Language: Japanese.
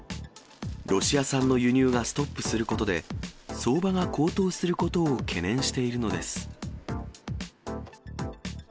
ロシア産の輸入がストップすることで、相場が高騰することを懸念しているのです。